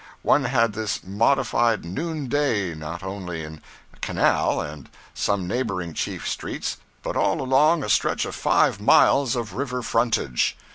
One had this modified noonday not only in Canal and some neighboring chief streets, but all along a stretch of five miles of river frontage.